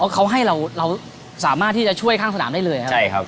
อ๋อเขาให้เราเราสามารถที่จะช่วยข้างสนามได้เลยครับ